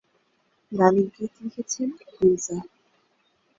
গানের গীত লিখেছেন গুলজার।